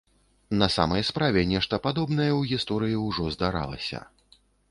На самай справе, нешта падобнае ў гісторыі ўжо здаралася.